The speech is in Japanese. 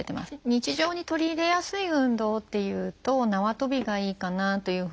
日常に取り入れやすい運動っていうとなわとびがいいかなというふうに思います。